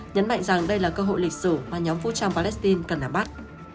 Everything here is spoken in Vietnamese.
nhấn mạnh rằng đây là cơ hội lịch sử mà nhóm vũ trang palestine cần nắm bắt